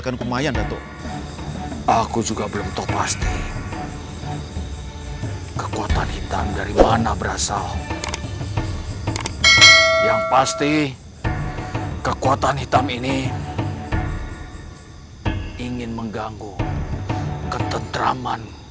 kekuatan hitam dari mana berasal yang pasti kekuatan hitam ini ingin mengganggu ketentraman